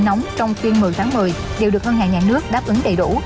nóng trong tuyên một mươi tháng một mươi đều được ngân hàng nhà nước đáp ứng đầy đủ